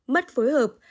mất phối hợp